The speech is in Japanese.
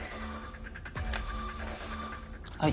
はい。